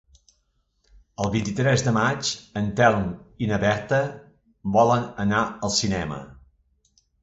El vint-i-tres de maig en Telm i na Berta volen anar al cinema.